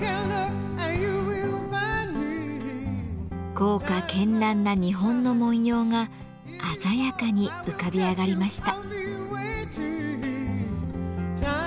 豪華けんらんな日本の文様が鮮やかに浮かび上がりました。